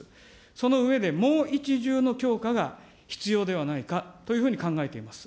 その上で、もう一重の強化が必要ではないかというふうに考えています。